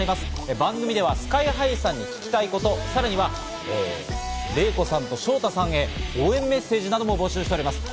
番組ではＳＫＹ−ＨＩさんに聞きたいこと、さらにはＲＥＩＫＯさんとＳＨＯＴＡさんへ応援メッセージなども募集しております。